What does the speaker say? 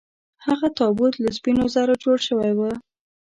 هغه تابوت له سپینو زرو جوړ شوی و.